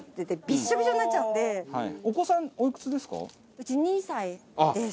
うち２歳です。